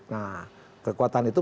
nah kekuatan itu